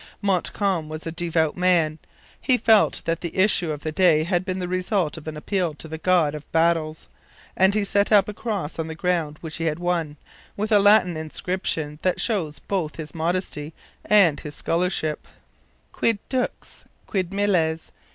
Montcalm was a devout man. He felt that the issue of the day had been the result of an appeal to the God of Battles; and he set up a cross on the ground he had won, with a Latin inscription that shows both his modesty and his scholarship: 'Quid dux? Quid miles?